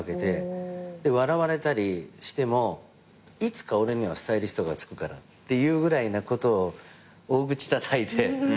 笑われたりしてもいつか俺にはスタイリストがつくからっていうぐらいなことを大口たたいて。